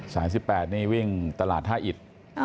๑๘นี่วิ่งตลาดท่าอิด